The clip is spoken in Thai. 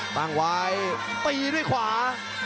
ตั้งไว้ตีด้วยขวา